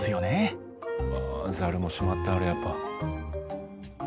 あザルもしまってあるやっぱ。